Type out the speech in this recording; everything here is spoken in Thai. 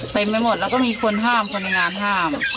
ไปหมดแล้วก็มีคนห้ามคนในงานห้าม